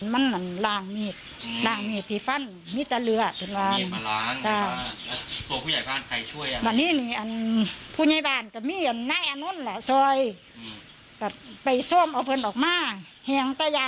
มาล้าง